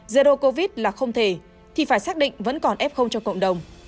zero covid là không thể thì phải xác định vẫn còn f cho cộng đồng